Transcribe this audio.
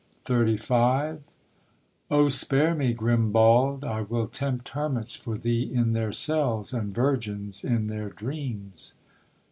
CHAPTER XXXV —Oh, spare me, Grimbald! I will tempt hermits for thee in their cells, And virgins in their dreams.